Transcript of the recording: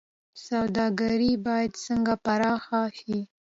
سوداګري باید څنګه پراخه شي؟